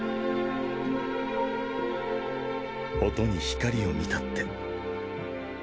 音に光を見たって